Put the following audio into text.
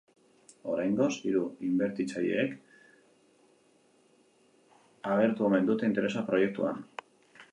Oraingoz, hiru inbertitzailek agertu omen dute interesa proiektuan.